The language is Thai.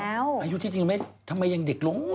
ใจเย็นอายุที่ว่าทำไมยังเด็กลง